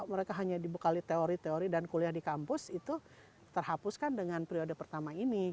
mereka hanya dibekali teori teori dan kuliah di kampus itu terhapuskan dengan periode pertama ini